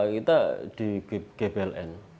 kita di gpln